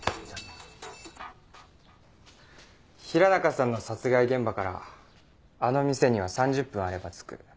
平中さんの殺害現場からあの店には３０分あれば着く。